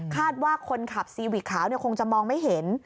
คาดว่าคนขับซีวิกขาวคงจะมองไม่เห็น